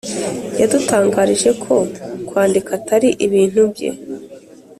yadutangarije ko kwandika atari ibintu bye